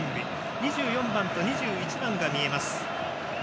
２４番と２１番が見えます。